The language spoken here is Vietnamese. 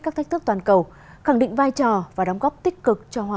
các thách thức toàn cầu